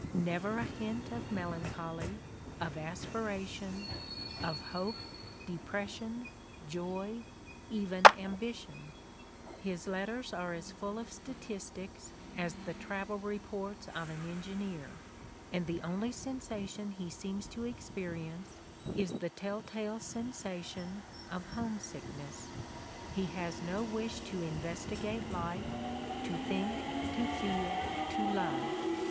Never a hint of melancholy, of aspiration, of hope, depression, joy, even ambition ! His letters are as full of statistics as the travel reports of an engineer, and the only sensation he seems to experience is the tell tale sensation of home sickness. He has no wish to investigate life, to think, to feel, to love.